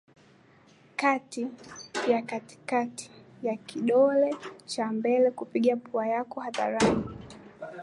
kati ya katikati na kidole cha mbele kupiga pua yako hadharani